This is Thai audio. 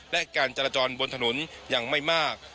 และการจราจรบนถนนยังไม่มาก